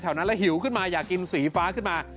นั้นแล้วหิวขึ้นมาอยากกินสีฟ้าขึ้นมา